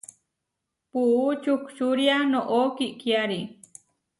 Puú čuhčúria noʼó kikiári.